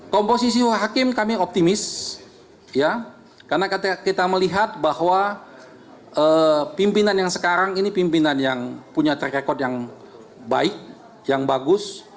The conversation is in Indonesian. komposisi hakim kami optimis karena kita melihat bahwa pimpinan yang sekarang ini pimpinan yang punya track record yang baik yang bagus